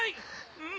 うん！